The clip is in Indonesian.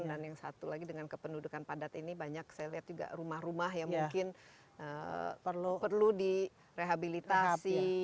dan yang satu lagi dengan kependudukan padat ini banyak saya lihat juga rumah rumah yang mungkin perlu direhabilitasi